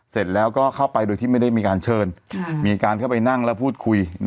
เสร็จแล้วก็เข้าไปโดยที่ไม่ได้มีการเชิญมีการเข้าไปนั่งแล้วพูดคุย